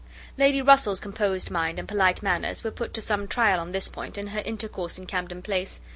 Lady Russell's composed mind and polite manners were put to some trial on this point, in her intercourse in Camden Place.